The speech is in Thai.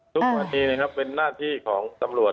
ทุกวันนี้นะครับเป็นหน้าที่ของตำรวจ